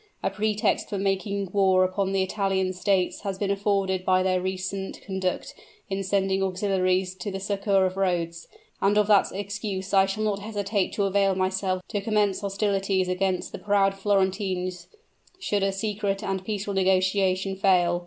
A pretext for making war upon the Italian states has been afforded by their recent conduct in sending auxiliaries to the succor of Rhodes; and of that excuse I shall not hesitate to avail myself to commence hostilities against the proud Florentines should a secret and peaceful negotiation fail.